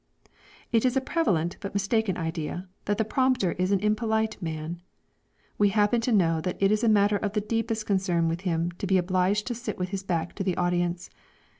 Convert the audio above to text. It is a prevalent but mistaken idea, that the prompter is an impolite man; we happen to know that it is a matter of the deepest concern with him to be obliged to sit with his back to the audience.